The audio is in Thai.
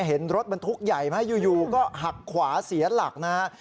เห็นรถบรรทุกใหญ่ไหมอยู่ก็หักขวาเสียหลักนะฮะ